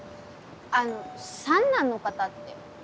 あの三男の方って？